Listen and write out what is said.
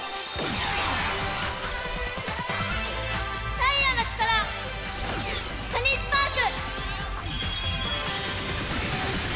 太陽の力サニースパーク！